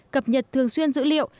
cập nhật thường xuyên dữ liệu